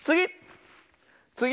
つぎ！